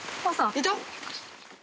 いた？